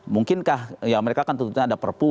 mungkinkah ya mereka kan tuntutannya ada perpu